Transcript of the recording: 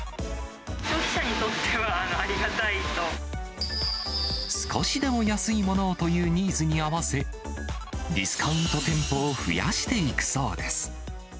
消費者にとってはありがたい少しでも安いものをというニーズに合わせ、ディスカウント店舗を増やしていくそうです。